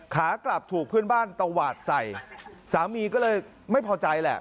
ขากลับถูกเพื่อนบ้านตวาดใส่สามีก็เลยไม่พอใจแหละ